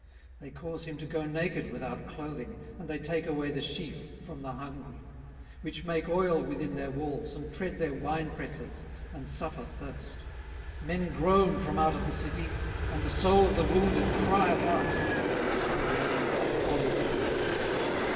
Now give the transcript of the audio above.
18:024:010 They cause him to go naked without clothing, and they take away the sheaf from the hungry; 18:024:011 Which make oil within their walls, and tread their winepresses, and suffer thirst. 18:024:012 Men groan from out of the city, and the soul of the wounded crieth out: yet God layeth not folly to them.